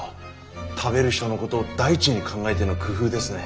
食べる人のことを第一に考えての工夫ですね。